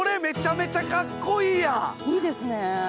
いいですね。